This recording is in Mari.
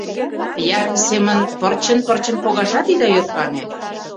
— Якып семын пырчын-пырчын погашат ида ӧркане.